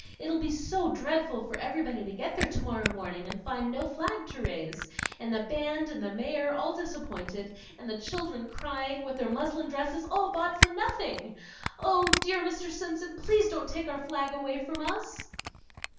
It'll be so dreadful for everybody to get there tomorrow morning and find no flag to raise, and the band and the mayor all disappointed, and the children crying, with their muslin dresses all bought for nothing! O dear Mr. Simpson, please don't take our flag away from us!"